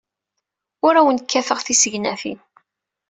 Ur awen-kkateɣ tisegnatin.